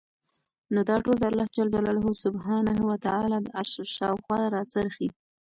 نو دا ټول د الله سبحانه وتعالی د عرش شاوخوا راڅرخي